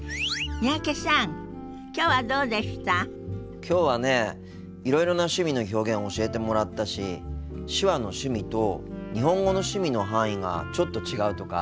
きょうはねいろいろな趣味の表現を教えてもらったし手話の趣味と日本語の趣味の範囲がちょっと違うとか面白かったな。